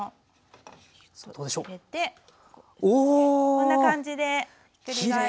こんな感じでひっくり返します。